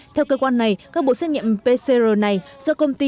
theo cơ quan này các bộ xét nghiệm pcr này do công ty